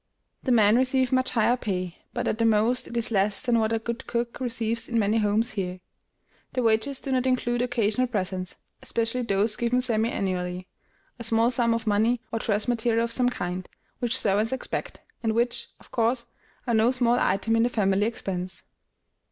The men receive much higher pay, but at the most it is less than what a good cook receives in many homes here. The wages do not include occasional presents, especially those given semi annually, a small sum of money, or dress material of some kind, which servants expect, and which, of course, are no small item in the family expense.